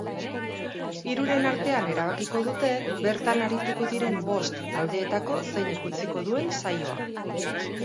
Hiruren artean erabakiko dute bertan arituko diren bost taldeetako zeinek utziko duen saioa.